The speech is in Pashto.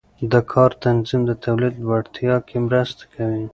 د کار تنظیم د تولید لوړتیا کې مرسته کوي.